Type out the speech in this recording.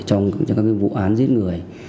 trong các vụ án giết người